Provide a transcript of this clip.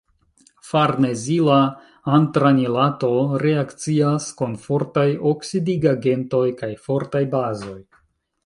Farnezila antranilato reakcias kun fortaj oksidigagentoj kaj fortaj bazoj.